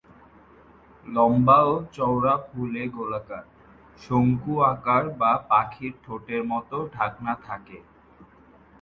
লম্বা ও চওড়া ফুলে গোলাকার, শঙ্কু আকার বা পাখির ঠোঁটের মতো ঢাকনা থাকে।